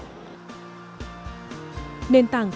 nền tảng công ty infor